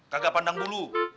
kagak pandang dulu